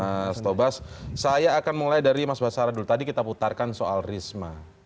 mas tobas saya akan mulai dari mas basara dulu tadi kita putarkan soal risma